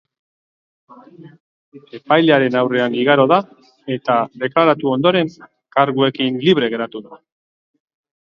Epailearen aurrean igaro da, eta deklaratu ondoren, karguekin libre geratu da.